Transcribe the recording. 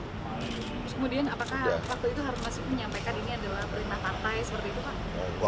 kemudian apakah pak arief harun masiku menyampaikan ini adalah perintah partai seperti itu pak